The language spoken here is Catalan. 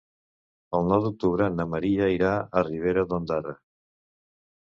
El nou d'octubre na Maria irà a Ribera d'Ondara.